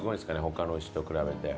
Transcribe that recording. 他の牛と比べて。